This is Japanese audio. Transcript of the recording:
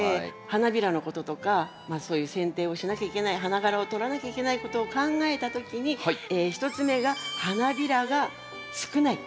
花びらのこととかそういうせん定をしなきゃいけない花がらを取らなきゃいけないことを考えた時に１つ目が花びらが少ない。